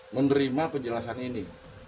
menerima penjelasan ini